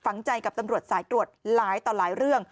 ฝังใจกับตำรวจสายตรวจหลายต่อหลายเรื่อง